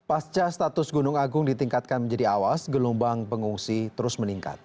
pasca status gunung agung ditingkatkan menjadi awas gelombang pengungsi terus meningkat